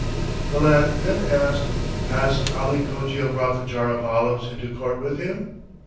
The lad then asked, "Has Ali Cogia brought the jar of olives into court with him?"